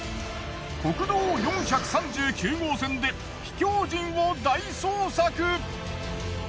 国道４３９号線で秘境人を大捜索！